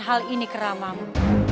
hal ini keramamu